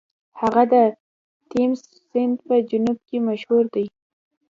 هغه د تیمس سیند په جنوب کې مشهور دی.